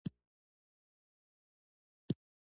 دوی د زیاتو جایدادونو څښتنان وي.